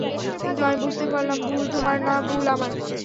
কিন্তু আমি বুঝতে পারলাম, ভুল তোমার না, ভুল আমার।